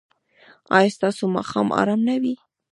ایا ستاسو ماښام ارام نه دی؟